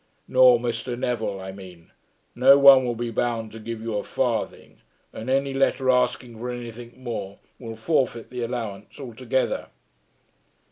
"Nor Mr. Neville, I mean. No one will be bound to give you a farthing, and any letter asking for anything more will forfeit the allowance altogether."